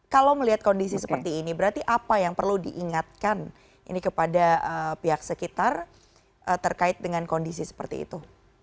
kalau melihat kondisi seperti ini berarti apa yang perlu diingatkan ini kepada pihak sekitar terkait dengan kondisi seperti itu